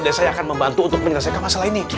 dan saya akan membantu untuk menyelesaikan masalah ini